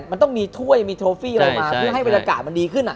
มันต้องมีถ้วยมีโทฟี่อะไรมาเพื่อให้บรรยากาศมันดีขึ้น